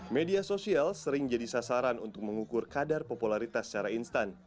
media sosial sering jadi sasaran untuk mengukur kadar popularitas secara instan